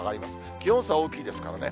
気温差大きいですからね。